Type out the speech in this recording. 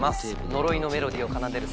呪いのメロディーを奏でる